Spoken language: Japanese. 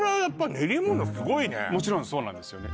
もちろんそうなんですよね